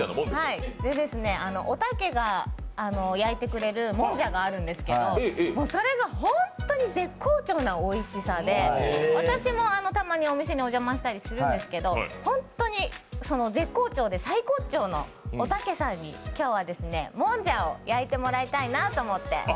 おたけが焼いてくれるもんじゃがあるんですけどそれが本当に絶好調なおいしさで私もたまに、お店にお邪魔したりするんですけどホントに、絶好調でサイコッチョーのおたけさんに今日はもんじゃを焼いてもらいたいなと思って。